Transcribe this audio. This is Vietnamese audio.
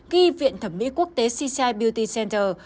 ghi viện thẩm mỹ quốc tế cci beauty center